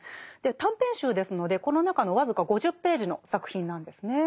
短編集ですのでこの中の僅か５０ページの作品なんですね。